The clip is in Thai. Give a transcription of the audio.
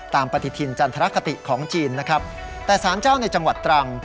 ปฏิทินจันทรคติของจีนนะครับแต่สารเจ้าในจังหวัดตรัง